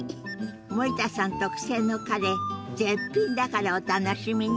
森田さん特製のカレー絶品だからお楽しみに。